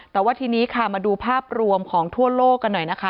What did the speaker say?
แต่ว่าทีนี้ค่ะมาดูภาพรวมของทั่วโลกกันหน่อยนะคะ